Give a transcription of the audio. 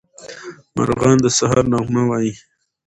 مارغان د سهار نغمه وايي.